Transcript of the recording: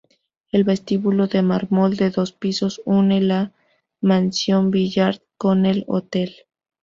El vestíbulo de mármol de dos pisos une la Mansión Villard con el hotel.